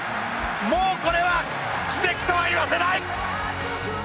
もうこれは奇跡とは言わせない！